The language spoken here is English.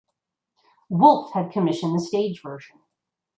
Wolfe had commissioned the stage version.